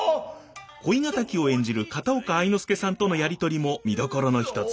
恋敵を演じる片岡愛之助さんとのやり取りも見どころの一つ。